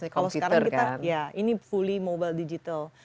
kalau sekarang kita ya ini fully mobile digital